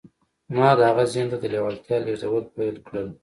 ما د هغه ذهن ته د لېوالتیا لېږدول پیل کړل